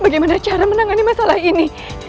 bagaimana cara menangani masalah ini